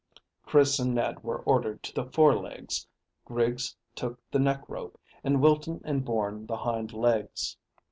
Chris and Ned were ordered to the fore legs, Griggs took the neck rope, and Wilton and Bourne the hind legs.